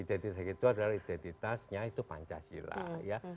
identitas itu adalah identitasnya itu pancasila ya